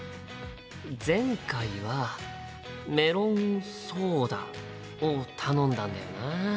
前回はメロンソーダを頼んだんだよな。